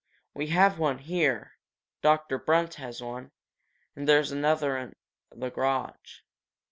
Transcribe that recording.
We have one here, Doctor Brunt has one, and there's another in the garage.